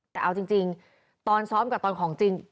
แต่เอาจริงตอนซ้อมกับตอนของจริง